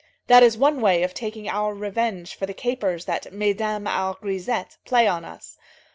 That is one way of taking our revenge for the capers that mesdames our grisettes play on us.